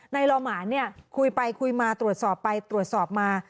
ลอหมานเนี่ยคุยไปคุยมาตรวจสอบไปตรวจสอบมา